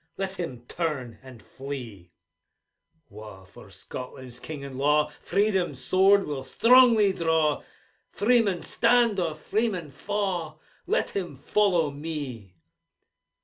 Let him turn, and flee ! Wha for Scotland's king and law Freedom's sword will strongly draw, Freeman stand, or freeman fa'. Let him follow me